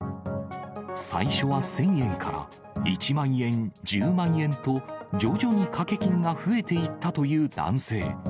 最初は１０００円から、１万円、１０万円と徐々に賭け金が増えていったという男性。